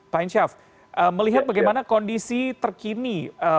pak insyaf melihat bagaimana kondisi terkini